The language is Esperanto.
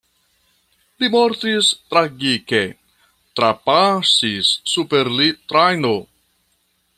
Li mortis tragike: trapasis super li trajno.